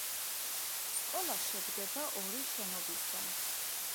სკოლა შედგება ორი შენობისგან.